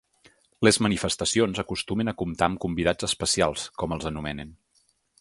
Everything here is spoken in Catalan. Les manifestacions acostumen a comptar amb convidats especials, com els anomenen.